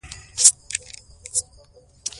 د کلیزو منظره د افغان ماشومانو د زده کړې موضوع ده.